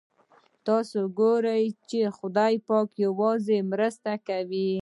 تاسو ګورئ چې خدای پاک یوازې مرسته کوي.